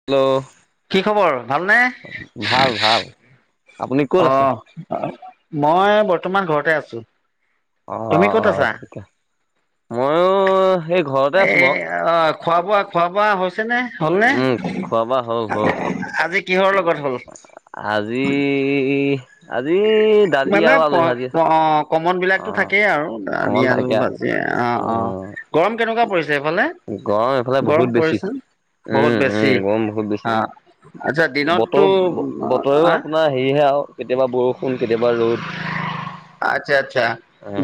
Hello! কি খবৰ ভালনে? ভাল ভাল আপুনি ক'ত আছে? আহ' মই বৰ্তমান ঘৰতে আছো। অ' তুমি ক'ত আছা? অ' ঠিকে মইয়ো সেই ঘৰতে আছো বাৰু। খোৱা-বোৱা খোৱা বোৱা হৈছেনে হলনে উম খোৱা বোৱা হ'ল হ'ল আজি কিহৰ লগত হ'ল? আজি আজি দালি মানে আৰু আলু ভাজি কমন অ বিলাকতো থাকেই আৰু দালি, অকমান আলু, থাকে ভা এ অ' অ' উম গৰম কেনেকুৱা পৰিছে সেইফালে? গৰম এইফালে বহুত বেছি। বহুত উম' বেছি উম' গৰম বহুত অ'। আচ্ছা বেছি। দিনততো বতৰ বতৰেও আ আপোনাৰ সেয়েহে আৰু কেতিয়াবা বৰষুণ কেতিয়াবা ৰ'দ। আচ্ছা আচ্ছা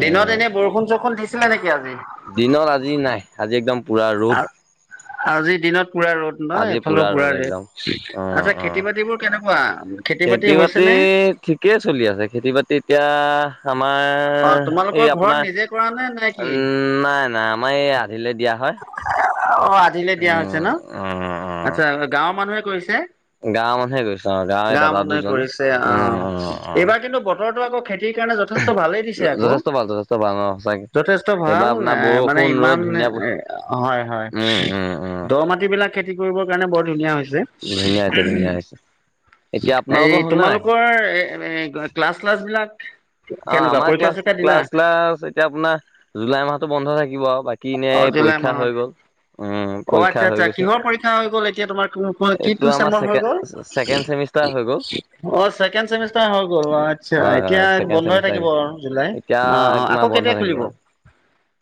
দিনত এনে বৰষুণ চৰষুণ দিছিলে নেকি আজি। দিনত আজি নাই, আজি একদম পুৰা ৰ'দ। আজিৰ দিনত পুৰা ৰ'দ। নহয় এফালে পুৰা ৰ'দ উম আচ্ছা উম খেতি বাতিবোৰ কেনেকুৱা খেতি বাতি হৈছে নে? ঠিকেই চলি আছে খেতি বাতি এতিয়া আমাৰ অ এ, এই তোমালোকৰ ঘৰত আপোনাৰ নিজে কৰা নে নে কি উম' নাই নাই আমাৰ এই আধিলৈ দিয়া হয়। অ' আধিলৈ দিয়া হৈছে উম ন, উম আচ্ছা গাঁৱৰ মানুহে কৰিছে। গাঁৱৰ মানুহে গৈছে অ গাঁৱৰ গাঁও দাদা মানুহে দুজনে কৰিছে উম আহ' উম উম এইবাৰ কিন্তু বতৰতো আকৌ খেতি সেইকাৰণে যথেষ্ট ভালেই। আকৌ' যথেষ্ট ভাল যথেষ্ট ভাল অ সঁচাকে যথেষ্ট ভাল এইবাৰ আপোনাৰ এ মানে বৰষুণ ৰ'দ ইমান ধুনীয়া হয় হয় উম উম উম দ মাটি বিলাক খেতি কৰিবৰ কাৰণে বৰ ধুনীয়া হৈছে। ধুনীয়া হৈছে ধুনীয়া হৈছে এতিয়া এই আপোনালোকৰ হ'লনে নাই তোমালোকৰ এই ক্লাছ চিলাছ বিলাক অ কেনেকুৱা? আমাৰ পৰীক্ষা ক্লাছ চৰীক্ষা দিলা ক্লাছ চিলাছ এতিয়া আপোনাৰ জুলাই মাহতো বন্ধ থাকিব আৰু বাকী অ এনেই জুলাই পৰীক্ষা মাহত হৈ গ'ল। উম অ' পৰীক্ষা আচ্ছা হৈ আচ্ছা গৈছে কিহৰ পৰীক্ষা হৈ গ'ল এতিয়া তোমাৰ এইটো কিটো আমাৰ চেমৰ হৈ ছেকে গ'ল। ছেকেণ্ড চেমিষ্টাৰ হৈ গ'ল অ' ছেকেণ্ড চেমিষ্টাৰ হৈ গ'ল আচ্ছা হয় এতিয়া হয় ছেকেণ্ড বন্ধ হৈ চেমিষ্টাৰ থাকিব আৰু। জুলাই এতিয়া অ' অ' একমাহ আকৌ' বন্ধ কেতিয়া থাকিব খুলিব?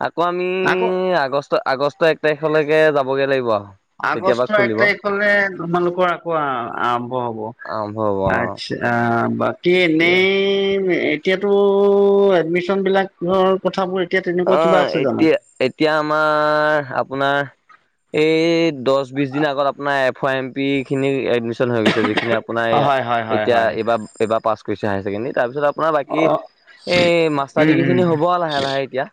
আকৌ' আমি আকৌ আগষ্ট আগষ্ট এক তাৰিখলৈকে যাবগৈ লাগিব আৰু। তেতিয়াবা আগষ্টৰ এক খুলিব তাৰিখলৈ তোমালোকৰ আকৌ' আৰম্ভ হব। আৰম্ভ হ'ব অ অ' বাকী কি এনেই এতিয়াতো এডমিশ্যন বিলাক। আগৰ কথাবোৰ এতিয়া অ তেনেকুৱা কিবা আছে জানোঁ? এতিয়া এতিয়া আমাৰ আপোনাৰ এই দহ বিশ দিন আগত আপোনাৰ এফৰ এম পি খিনি এ এদমিশ্যন হৈ গৈছে যিখিনি আপোনাৰ এইয়া হয় হয় হয় এতিয়া হয় এইবা এবাৰ পাছ কৰিছে হাই চেকেণ্ডেৰী তাপাছত আপোনাৰ বাকী অ এই মাষ্টাৰ উম ডিগ্ৰী উম খিনি হ'ব আৰু লাহে লাহে এতিয়া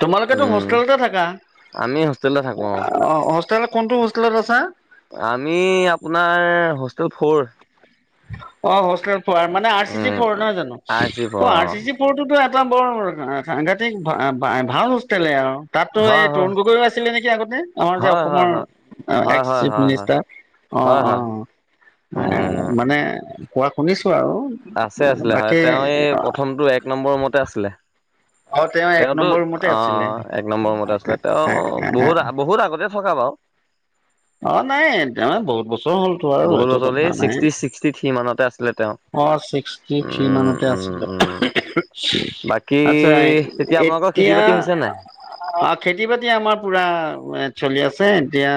তোমালোকেতো উম হোষ্টেলতে থাকা। আমি হোষ্টেলতে থাকোঁ। অ' তেনে কোনটো হোষ্টেলত আছা। আমি আপোনাৰ হোষ্টেল ফ'ৰ অ' হোষ্টেলত পঢ়ে মানে আৰ চি চি উম পঢ়ে নহয় জানোঁ আৰ চি ফ'ৰ অ' আৰু চি চি তৌৰ এটা বৰ সাংঘাতিক ভাল হোষ্টেলে আৰু। তাততো হয় এই- তৰুণ গগৈও আছিলে নেকি? আগতে আমাৰ যে হয় হয় অসমৰ হয় হয় এক্স হয় চিফ হয় হয় মিনিষ্টাৰ। অ' হয় হয় অ' হয় এ উম মানে কোৱা শুনিছোঁ আৰু। আছে আছিলে। হয় বাকী তেওঁ এই প্ৰথমটো এক নম্বৰ ৰুমতে আছিলে। অ তেওঁ এক তেওঁতো নম্বৰ ৰুমতে আছিলে অ' এক নম্বৰতে আছিলে। তেওঁ বহুত বহুত আগতে থকা বাৰু। অ' নাই তাৰমানে বহুত বছৰ হ'লতো আৰু বহুত সেইটো বছৰলে কথা নাই। ছিক্সটি ছিক্সটি থ্ৰী মানতে আছিলে তেওঁ অ' ছিক্সটি থ্ৰী উম মানতে উম আছিলে। উম বাকী আচ্ছা তেতিয়া আপোনালোকৰ খেতি এতিয়া বাতি হৈছে নাই অ' খেতি বাতি আমাৰ পুৰা চলি আছে। এতিয়া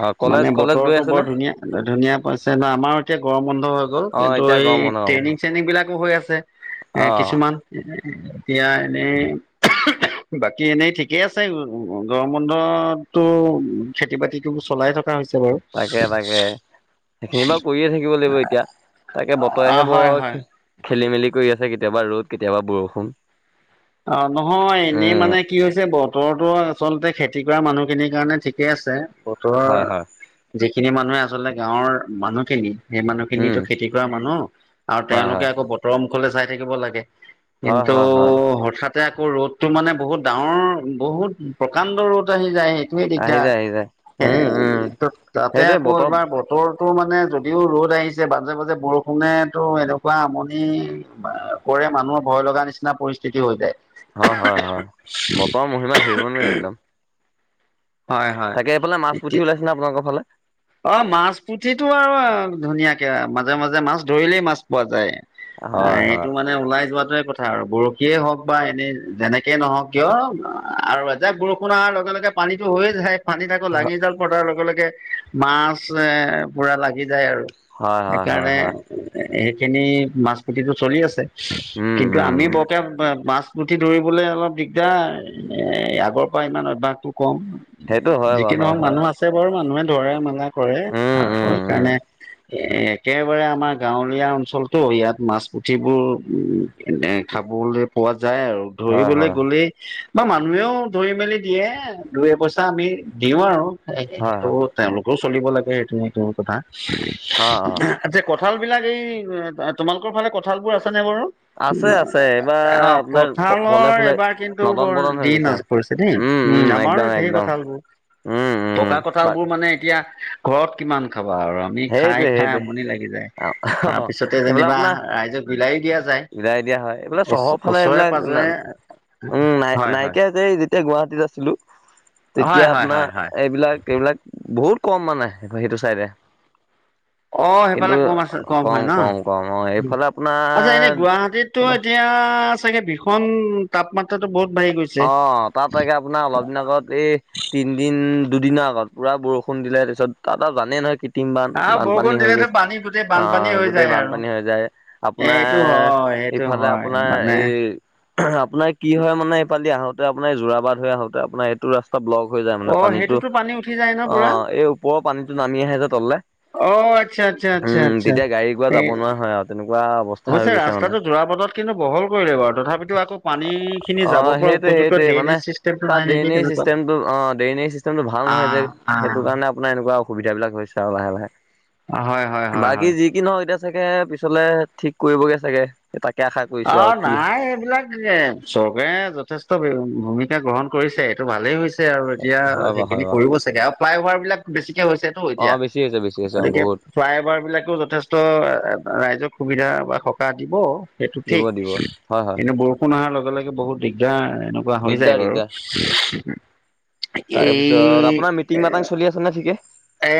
অ কলেজ মানে কলেজ গৈ বতৰতো আছে বৰ নে ধুনীয়া, ধুনীয়া পিছে ন আমাৰো এতিয়া গৰম বন্ধ হৈ গ'ল অ কিন্তু এতিয়া এই গৰম বন্ধ গৰম বন্ধ ট্ৰেইনিং চেইনিং বিলাকো হৈ আছে এ অ কিছুমান এতিয়া এনেই বাকী এনেই ঠিকেই আছে গৰম বন্ধততো খেতি বাতি এই চলাই থকা হৈছে বাৰু তাকে তাকে সেইখিনি বাৰু কৰিয়ে থাকিব লাগিব এতিয়া তাকে অ বতৰেহে হয় হয় বৰ খেলি মেলি কৰি আছে। কেতিয়াবা ৰ'দ কেতিয়াবা বৰষুণ। অ নহয় এনেই উম মানে। কি হৈছে বতৰটো আচলতে খেতি কৰা মানুহখিনিৰ কাৰণে ঠিকে আছে বতৰ হয় হয় যিখিনি মানুহে আচলতে গাঁৱৰ মানুহখিনি। সেই মানুহ খিনি উম খেতি কৰা মানুহ আৰু হয় তেওঁলোকে হয় আকৌ বতৰৰ মুখলৈ চাই থাকিব লাগে হয় কিন্তু। হয় হয় তাতে আকৌ ৰ'দতটো মানে বহুত ডাঙৰ বহুত প্ৰকাণ্ড ৰ'দ আহি যায়। [unintelligible] আহি দিগদাৰ যায় আহি যায় উম উম তাতে সেইটোৱে আকৌ বতৰ এইবাৰ বত বতৰটো মানে যদিও ৰ'দ আহিছে মাজে মাজে বৰষুণেতো এনেকুৱা আমনি কৰে মানুহৰ ভয় লগা নিচিনা পৰিস্থিতি হৈ যায়। হয় হয় হয় বতৰৰ মহিমা ধৰিব নোৱাৰি একদম হয় হয় তাকে এইফাল মাছ পুঠি ওলাইছেনে আপোনালৰ ফালে। অ মাছ পুঠিতো আৰু ধুনীয়াকে মাজে মাজে মাছ ধৰিলেই মাছ পোৱা যায় হয় হয় এইটো মানে ওলাই যোৱাতোৱে কথা আৰু বৰশীয়ে হওক বা এনেই যেনেকেই নহওক কিয় আৰু এজাক বৰষুণ অহাৰ লগে লগে পানীটো হৈয়ে যায়। পানি থাকো লাঙি জাল পতাৰ লগে লগে মাছ এ পুৰা লাগি যায় আৰু। হয় হয় হয় হয় সেইকাৰণে সেইখিনি মাছ পুঠিটো চলি আছে উম কিন্তু উম আমি বৰকে মাছ পুঠি ধৰিবলৈ অলপ দিগদাৰ এ আগৰ পৰা ইমান অভ্যাসটো কম। সেইটো হয় যিকি বাৰু হয় নহওক হয় মানুহ আছে বাৰু মানুহে ধৰে মেলা কৰে আৰু উম উম উম সেইকাৰণে এ একেবাৰে আমাৰ গাঁৱলীয়া অঞ্চলটো ইয়াত মাছ পুঠিবোৰ উ এনে খাবলৈ পোৱা যায় আৰু হয় ধৰিবলৈ হয় গ'লেই বা মানুহেও ধৰি মেলি দিয়ে দুই এ পইচা আমি দিওঁ আৰু হয় সেইটো হয় তেওঁলোকেও চলিব লাগে সেইটো সটোৰ কথা অ অ আ কঁঠাল বিলাক এই তোমালোকৰ ফালে কঁঠাল বোৰ আছে নে বাৰু? আছে আছে এইবাৰ অ আপোনাৰ ফলে কঠালৰ ফুলে এইবাৰ কিন্তু নদন বৰ বদন হৈ দিন গৈছে। আছে। পৰিছে দেই উম আমাৰ ঢেৰ কঠাল বোৰ উম উম পকা বা কঠাল বোৰ মানে এতিয়া ঘৰত কিমান খাবা আৰু। আমি সেইটোৱে খাই খাই সেইটোৱে আমনি লাগি যায় তাৰ পিছতে এইবিলাক যেনিবা আপোনাৰ ৰাইজক বিলাইও দিয়া যায়। বিলাই দিয়া হয় এইবিলাক চহৰৰ ফালে ওচৰে এইবিলাক পাজৰে উম নাই হয়, হয়। নাইকিয়া যে যেতিয়া গুৱাহাটীত আছিলো হয় তেতিয়া হয় আপোনাৰ হয় হয় এইবিলাক এইবিলাক। বহুত কম মানে সেইটো চাইডে। অ কিন্তু সেইফালে কম আছে কম হয় ন কম অ এইফালে আচ্ছা এনে আপোনাৰ গুৱাহাটীত এতিয়া চাগে ভীষণ তাপমাত্ৰা। [unintelligible] বহুত বাহিব। অ তাত তগে আপোনাৰ অলপ দিন আগত এই তিনদিন দুদিনৰ আগত পুৰা বৰষুণ দিলে তাৰ পিছত তাত আৰূ জানে নহয় কৃত্ৰিম বান আহ বৰষুণ বানপানী হৈ দিলেতো গৈছে পানী গোটেই বানপানী আহ হৈ গোটেই যায় আৰু বানপানী হৈ যায়। আপোনাৰ এইটো হয় সেইটো এইফালে হয় আপোনাৰ মানে এই আপোনাৰ কি হয় মানে এইফালি আহোঁতে আপোনাৰ যোৰাবাট হৈ আহোঁতে আপোনাৰ এইটো ৰাস্তা। ব্লক হৈ যায় মানে অ পানীটো সেইটোতো পানী উঠি যায় ন অ পুৰা এই ওপৰৰ পানীতটো নামি আহে যে তললে। অ আচ্ছা আচ্ছা আচ্ছা উম আচ্ছা তেতিয়া গাড়ী গুৰা যাব এই নোৱাৰা হয় আৰু তেনেকুৱা অৱ অৱশ্যে ৰাস্তাটো যোৰাবাটত কিন্তু বহল কৰিলে বাৰু, তথাপিতো আকৌ পানী খিনি অ, যাব পৰা সেইটোৱে, উপযুক্ত সেইটোৱে, ড্ৰেইনেজ মানে চিষ্টেমটো নাই তাত নেকি ড্ৰেইনেজ তেনেকুৱা চিষ্টেমটো অ, ড্ৰেইনেজ চিষ্টেমটো ভাল নহয় আহ যে। আহ সেইটো কাৰণে আপোনাৰ এনেকুৱা অসুবিধা বিলাক হৈছে আৰু লাহে-লাহে। হয়, হয়, হয়, হয়। কি [unintelligible] এতিয়া চাগে পিছলে ঠিক কৰিবগে চাগে। তাকে আশা কৰি অ, নাই, এইবিলাক [unintelligible] চৰকাৰে যথেষ্ট ভূমিকা গ্ৰহণ কৰিছে, এইটো ভালেই হৈছে। আৰু এতিয়া হয় বাৰু হয় সেইখিনি বাৰু কৰিব চাগে, আৰু ফ্লাই অভাৰ বিলাক বেছিকে হৈছেতো অ', এতিয়া। বেছি হৈছে বেছি আছে, অ, গতিকে বহুত। ফ্লাই অভাৰ বিলাকেও যথেষ্ট ৰাইজক সুবিধা বা সকাহ দিব। সেইটো দিব ঠিক, দিব হয় হয় কিন্তু বহু ফোন অহাৰ লগে-লগে বহুত দিগদাৰ, এনেকুৱা হৈ যায় দিগদাৰ দিগদাৰ বাৰু। তাৰপিছত, এই আপোনাৰ মিটিং-মাতাং চলি আছে নে ঠিকে? এ,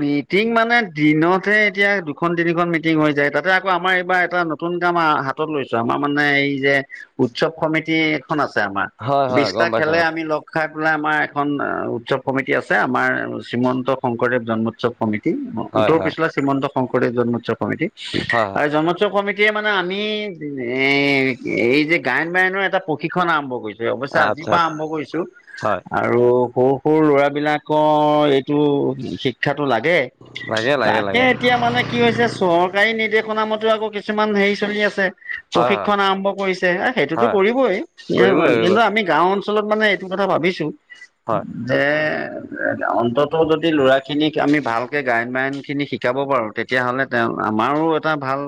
মিটিং মানে দিনতহে এতিয়া দুখন-তিনিখন মিটিং হৈ যায়, তাতে আকৌ আমাৰ এইবাৰ এটা নতুন কাম হাতত লৈছো, আমাৰ মানে এই যে উৎসৱ সমিতি এখন আছে আমাৰ। হয় হয় বিছটা গম পাইছো খেলে অ', আমি লগ খাই পেলাই আমাৰ এখন উৎসৱ সমিতি আছে, আমাৰ শ্ৰীমন্ত শংকৰদেৱ জন্ম উৎসৱ কমিতি, হয় উত্তৰ হয় পিছলা শ্ৰীমন্ত শংকৰদেৱ জন্মোৎসৱ কমিতি, হয় আৰু হয় এই জন্মোৎসৱ কমিতি এতিয়া মানে আমি এ এই যে গায়ন-বায়নৰ এটা প্ৰশিক্ষণ আৰম্ভ কৰিছো। অৱশ্যে আজিৰ আচ্ছা পৰা আৰম্ভ কৰিছো, হয় আৰু সৰু-সৰু ল'ৰা বিলাকৰ এই টো শিক্ষাটো লাগে, লাগে লাগে তাকে লাগে এতিয়া মানে কি হৈছে, চৰকাৰী নিৰ্দেশনা মতে আকৌ কিছুমান হেৰি চলি আছে। হয় হয় প্ৰশিক্ষন আৰম্ভ কৰিছে, এ, সেইটোতো হয় কৰিবই, কৰিবই কিন্তু কৰিবই আমি গাও অঞ্চলত মানে এইটো কথা ভাবিছো হয় যে, অন্তত যদি ল'ৰাখিনিক আমি ভালকৈ গায়ন-বায়নখিনি শিকাব পাৰোঁ, তেতিয়াহ'লে তেওঁ আমাৰো এটা ভাল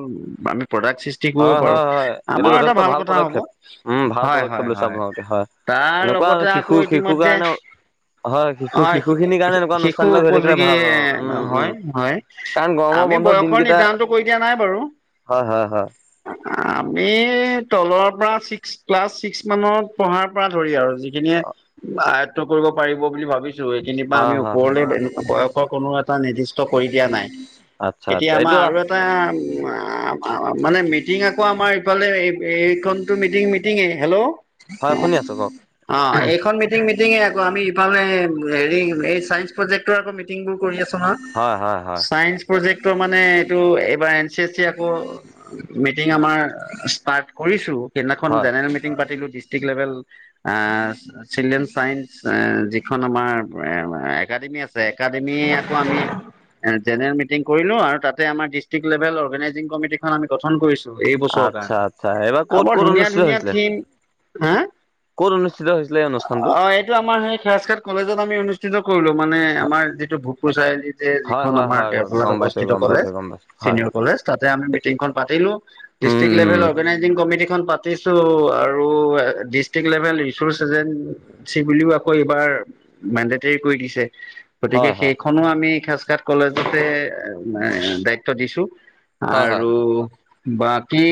প্ৰডাক্ট সৃ হয়, হয়, হয়, এইটো যথেষ্ট ভাল হ'ব পদক্ষেপ। উম, ভাল হয় পদক্ষেপ হয় লৈছে হয় আপোনালোকে, হয়। তাৰ এনেকুৱা আৰু লগতে আকৌ শিশু-শিশু ইতিমধ্যে কাৰণে হয়, শিশু-শিশুখিনি কাৰণ এনেকুৱা শিশু অনুষ্ঠান বিলাক হৈ থাকিলে উপযোগী ভাল আৰু। উম, হয় উম, হয় কাৰণ গৰমৰ বন্ধৰ দিনকেইটা কৈ দিয়া নাই বাৰু। হয়, হয়, হয়। আমি তলৰ পৰা, ছিক্স ক্লাছ ছিক্স মানত পঢ়াৰ পৰা ধৰি আৰু। যিখিনিয়ে আয়ত্ব কৰিব পাৰিব বুলি ভাবিছো, সেইখিনিৰ পৰা হয় আমি হয় হয় ওপৰলে বয়সৰ কোনো এটা নিৰ্দিষ্ট কৰি দিয়া নাই। আচ্ছা আচ্ছা এতিয়া আমাৰ এইটো আৰু এটা এটা মানে মিটিং আকৌ আমাৰ ইফালে এই এইখন টোৰ মিটিং মিটিঙে। হেল্ল'! হয় শুনি আছো কওক অ, এইখন মিটিং মিটিঙে আকৌ, আমি ইফালে হেৰি এই চাইন্স প্ৰজেক্টৰ আকৌ মিটিং বোৰ কৰি আছো নহয়। হয় হয় হয় চাইন্স প্ৰজেক্টৰ মানে, এইটো এইবাৰ এন চি এছ চি আকৌ মিটিং আমাৰ ষ্টাৰ্ট কৰিছো। সেইদিনাখন হয় জেনেৰেল মিটিং পাতিলো দি টিক লেবেল আ, চিলড্ৰেন চাইন্স এ যিখন আমাৰ [unintelligible] একাডেমি আছে, একাডেমি আকৌ আমি এ, জেনেৰেল মিটিং কৰিলো, আৰু তাতে আমাৰ ডিষ্ট্ৰিক্ লেভেল অৰ্গনাইজিং কমিটি আমি গঠন কৰিছো এই বছৰ আচ্ছা কাৰণে। আচ্ছা এইবাৰ [unintelligible] ক'ত বৰ ক'ত অনুষ্ঠিত ধুনীয়া-ধুনীয়া হৈছিলে থিম। হা! ক'ত অনুষ্ঠিত হৈছিলে এই অনুষ্ঠানটো অ, এইটো আমাৰ সেই [unintelligible] কলেজত আমি অনুষ্ঠিত কৰিলোঁ। মানে আমাৰ যিটো ভোগপুৰ চাৰিআলিত। যে হয় যিখন হয় আমাৰ হয় দেওফলাত গম পাইছো অৱস্থিত গম কলেজ পাইছো গম পাইছো হয় চিনিয়ৰ হয় কলেজ, তাতে আমি মিটিংখন পাতিলোঁ। Um district um level organise meeting কমিটিখন পাতিছোঁ আৰু ডিষ্ট্ৰিক লেভেল ৰিচৰ্চ এজেন্ট চি বুলিও আকৌ এইবাৰ মেণ্ডটেৰি কৰি দিছে। গতিকে হয় সেই হয় খনো আমি খাজঘাট কলেজতে এ দায়িত্ব দিছোঁ। হয় হয় আৰু বাকী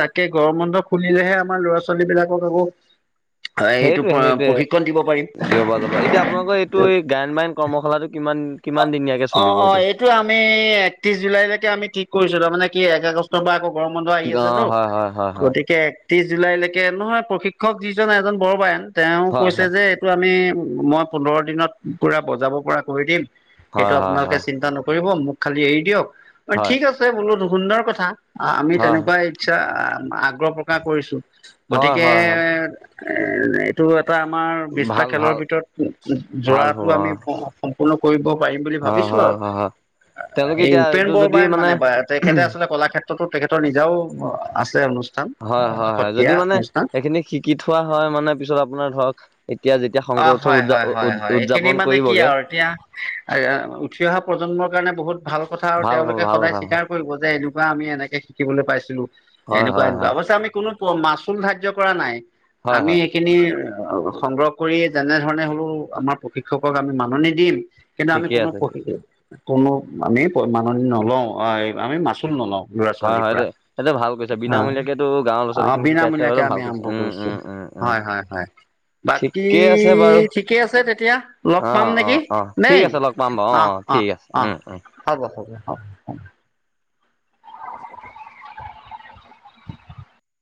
তাকে গৰম বন্ধ খুলিলেহে আমাৰ ল'ৰা ছোৱালী বিলাকক আকৌ আ এইটো অ' প্ৰশিক্ষণ দিব পাৰিম। যাব, এতিয়া আপোনালোকৰ এইটো এ গায়ন বায়ন কৰ্মশালাটো কিমান কিমান দিনিয়াকে অ' এইটো আমি একত্ৰিশ জুলাইলৈকে আমি ঠিক কৰিছিলোঁ। তামানে কি এক আগষ্ট পা আকৌ গৰম বন্ধ আহি অ আছেতো। হয় হয় হয় গতিকে ত্ৰিছ জুলাইলৈকে নহয় প্ৰশিক্ষক যিজন এজন বৰবায়ন। তেওঁ হয় কৈছে হয় যে তোৰ আমি মই পোন্ধৰ দিনত পুৰা বজাব পৰা কৰি দিম। সেইটো হয় হয় হয় আপোনালোকে চিন্তা নকৰিব। মোক খালি এৰি দিয়ক। হয় ঠিক আছে, বোলো সুন্দৰ কথা। আমি হয় তেনেকুৱা ইচ্ছা আগ্ৰহ প্ৰকাশ কৰিছোঁ। হয় হয় গতিকে হয় হয় [unintelligible] টো এটা আমাৰ বিছটা ভাল খেলৰ ভাল ভিতৰত ভাল যো-যোৰাটো হ'ব অ আমি সম্পূৰ্ণ ব' পাৰিম বুলি হয় ভাবিছোঁ হয় আৰু। হয় হয় তেওঁলোকে এই এতিয়া উপেন এইটো যদি বৰবায়ন মানে বা তেখেতে আচলতে কলাক্ষেত্ৰতো তেখেতৰ নিজাও আছে অনুষ্ঠা হয়, হয়, হয়। যদি মানে এইখিনি শিকি থোৱা হয় মানে পিছত আপোনাৰ ধৰক এতিয়া যেতিয়া শংকৰ অ' উৎসৱ হয়, উদযা হয়, হয়, হয়। এইখিনি উদযাপন মানে কি কৰিবগে আৰু এতিয়া উঠি অহা প্ৰজন্মৰ কাৰণে বহুত ভাল কথা আৰু ভাল হ'ব তেওঁলোকে ভাল সদায় কথা স্বীকাৰ কৰিব যে এনেকুৱা আমি এনেকে শিকিবলে পাইছিলোঁ। হয় এনেকুৱা হয় এনেকুৱা হয় অৱশ্যে আমি কোনো মাচুল ধাৰ্য্য কৰা নাই। হয় আমি হয় এইখিনি সংগ্ৰহ কৰি যেনেধৰণে হ'লেও আমাৰ প্ৰশিক্ষকক আমি মাননি দিম। কিন্তু আমি ঠিকে কোনো আছে প্ৰশি কোনো আমি মাননি নলও, অ' আমি মাচুল নলও। হয় ল'ৰা-ছোৱালীৰ হয় পৰা। দে সেইটো ভাল কৈছা বিনামূলীয়াকেতো গাঁৱৰ ল'ৰা আহ অ' ছোৱালীখিনি শিকাইছে বিনামূলীয়াকে আৰু ভাল আমি কৈছা আৰম্ভ উম কৰিছোঁ। উম উম উম। হয়, হয়, হয়। বাকী ঠিকেই আছে বাৰু ই ঠিকে আছে তেতিয়া। লগ অ পাম অ নেকি? অ ঠিক দেই, আছে লগ পাম বাৰু অ অহ অ অহ ঠিক আছে অহ। উম উম। হ'ব, হ'ব, অ' অ'।